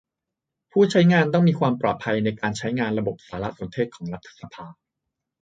ผู้ใช้งานต้องมีความปลอดภัยในการใช้งานระบบสารสนเทศของรัฐสภา